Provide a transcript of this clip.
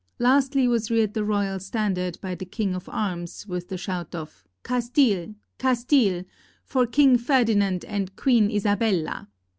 Lastly was reared the royal standard by the king of arms, with the shout of "Castile! Castile! For King Ferdinand and Queen Isabella!"